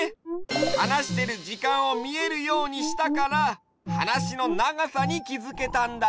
はなしてるじかんをみえるようにしたからはなしのながさにきづけたんだ。